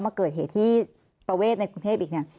มาเกิดเหตุที่ประเวทในกรุงเทพอีกเนี่ย